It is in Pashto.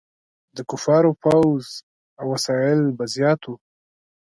د کفارو فوځ او وسایل به زیات وو.